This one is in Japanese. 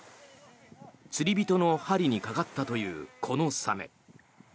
釣り人の針にかかったというこのサメ。